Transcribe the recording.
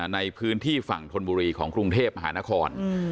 ในพื้นที่ฝั่งธนบุรีของกรุงเทพมหานคร